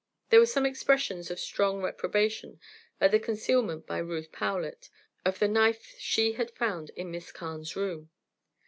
There were some expressions of strong reprobation at the concealment by Ruth Powlett of the knife she had found in Miss Carne's room.